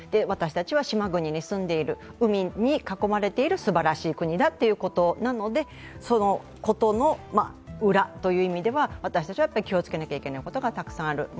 私たちは島国に住んでいる、海に囲まれているすばらしい国だということなのでそのことの裏という意味では、私たちは気をつけなければならないことがたくさんある。